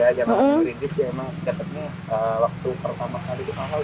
jangan lupa merintis ya emang sejajarnya waktu pertama ada di panggung